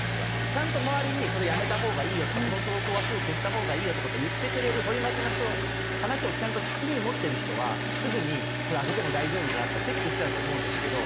ちゃんと周りに「それやめたほうがいいよ」とか「その投稿はすぐ消したほうがいいよ」って事を言ってくれる取り巻きの人の話をちゃんと聞く耳持ってる人はすぐに「これ上げても大丈夫かな？」とかチェックしてたと思うんですけど。